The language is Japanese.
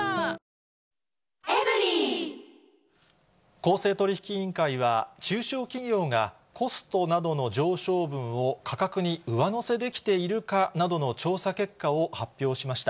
公正取引委員会は、中小企業がコストなどの上昇分を価格に上乗せできているかなどの調査結果を発表しました。